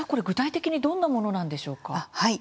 具体的にどんなものなんでしょうか？